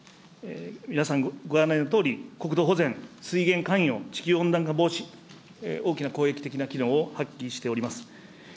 皆さん、ご案内のとおり、国土保全、水源関与、地球温暖化防止、大きな公益的な機能を発揮しております。